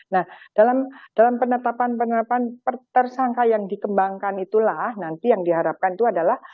nah dalam penetapan penetapan tersangka yang dikembangkan itulah nanti yang diharapkan itu adalah